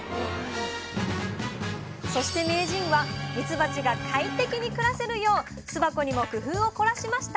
そして名人はミツバチが快適に暮らせるよう巣箱にも工夫を凝らしました。